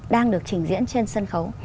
đang được trình diễn trên sân khấu